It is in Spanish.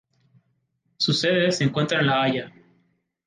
Su sede se encuentra en la La Haya.